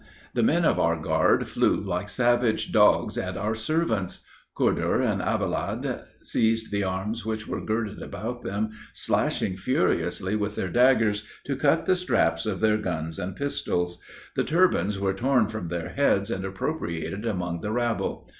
The men of our guard flew like savage dogs at our servants: Khudhr and Ablahad seized the arms which were girded about them, slashing furiously with their daggers, to cut the straps of their guns and pistols. The turbans were torn from their heads, and appropriated among the rabble.